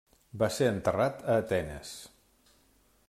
Va ser enterrat a Atenes.